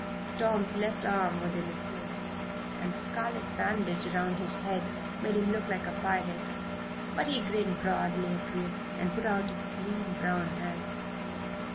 Tom's left arm was in a sling, and the scarlet bandage around his head made him look like a pirate; but he grinned broadly at Ruth and put out his lean brown hand.